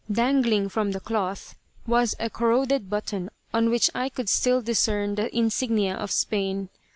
Dangling from the cloth was a corroded button on which I could still discern the insignia of Spain.